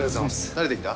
慣れてきた？